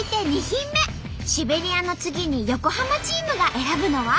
シベリアの次に横浜チームが選ぶのは？